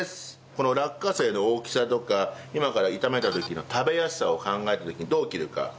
この落花生の大きさとか今から炒めた時の食べやすさを考えた時にどう切るか。